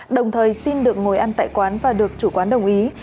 đồng thời xin được ngồi ăn tại quán và được chủ quán đồng ý